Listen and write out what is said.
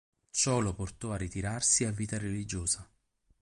Ciò lo portò a ritirarsi a vita religiosa.